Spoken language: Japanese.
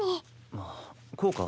あっこうか？